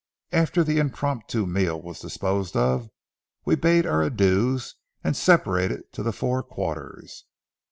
After the impromptu meal was disposed of, we bade our adieus and separated to the four quarters.